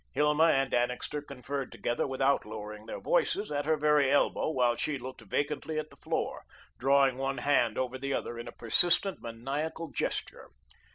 Hilma and Annixter conferred together without lowering their voices, at her very elbow, while she looked vacantly at the floor, drawing one hand over the other in a persistent, maniacal gesture.